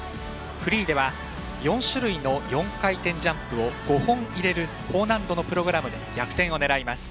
フリーでは４種類の４回転ジャンプを５本入れる高難度のプログラムで逆転を狙います。